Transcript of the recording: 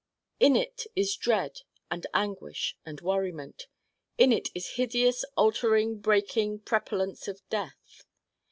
In it is dread and anguish and worriment: in it is hideous altering breaking prepollence of death.